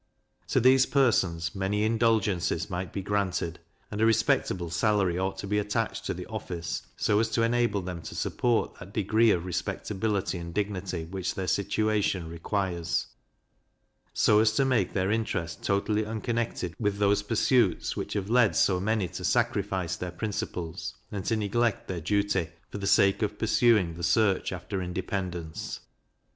To these persons many indulgences might be granted, and a respectable salary ought to be attached to the office, so as to enable them to support that degree of respectability and dignity which their situation requires; so as to make their interest totally unconnected with those pursuits which have led so many to sacrifice their principles, and to neglect their duty, for the sake of pursuing the search after independence.